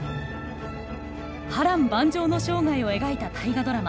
波乱万丈の生涯を描いた大河ドラマ